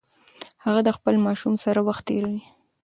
هغه د خپل ماشوم سره وخت تیروي.